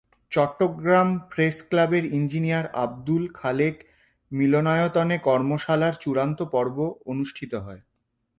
চট্টগ্রাম প্রেসক্লাবের ইঞ্জিনিয়ার আবদুল খালেক মিলনায়তনে কর্মশালার চূড়ান্ত পর্ব অনুষ্ঠিত হয়।